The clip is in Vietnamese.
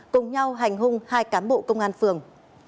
cùng nhau hành hung hai cán bộ công an phường